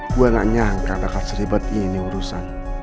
gue gak nyangka bakar seribet ini urusan